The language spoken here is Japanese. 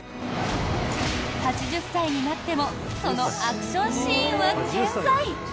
８０歳になってもそのアクションシーンは健在。